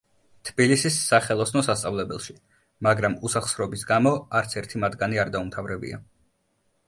თბილისის სახელოსნო სასწავლებელში, მაგრამ უსახსრობის გამო არც ერთი მათგანი არ დაუმთავრებია.